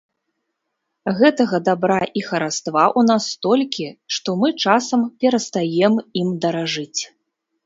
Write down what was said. Гэтага дабра і хараства ў нас столькі, што мы часам перастаем ім даражыць.